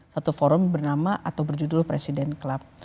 satu forum bernama atau berjudul presiden club